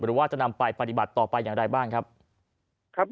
หรือว่าจะนำไปต่อไปอย่างไรบ้างครับ